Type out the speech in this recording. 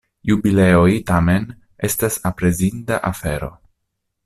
Jubileoj, tamen, estas aprezinda afero.